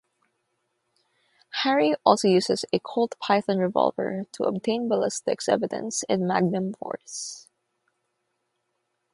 Harry also uses a Colt Python revolver to obtain ballistics evidence in "Magnum Force".